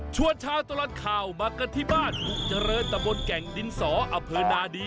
ช่วงเช้าตลอดข่าวมากันที่บ้านมุกเจริญตะบนแก่งดินสออเผอร์นาดี